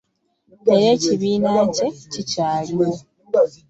Era ekibiina kye kikyaliwo.